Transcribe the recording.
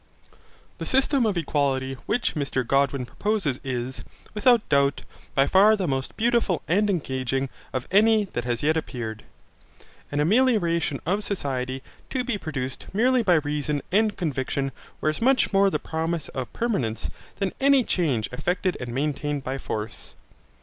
The system of equality which Mr Godwin proposes is, without doubt, by far the most beautiful and engaging of any that has yet appeared. An amelioration of society to be produced merely by reason and conviction wears much more the promise of permanence than any change effected and maintained by force.